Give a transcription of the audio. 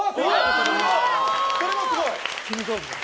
それもすごい。